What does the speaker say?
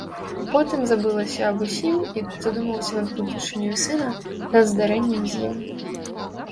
Потым забылася аб усім і задумалася над будучыняю сына, над здарэннем з ім.